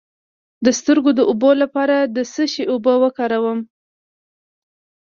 د سترګو د اوبو لپاره د څه شي اوبه وکاروم؟